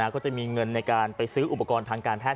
ก็จะมีเงินในการไปซื้ออุปกรณ์ทางการแพทย